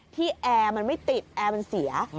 แอร์มันไม่ติดแอร์มันเสีย